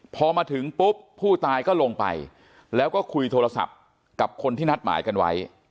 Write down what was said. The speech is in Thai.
พอมาถึงปุ๊บผู้ตายก็ลงไปแล้วก็คุยโทรศัพท์กับคนที่นัดหมายกันไว้